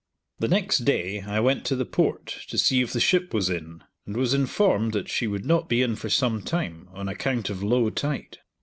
The next day I went to the Port to see if the ship was in, and was informed that she would not be in for some time, on account of low tide.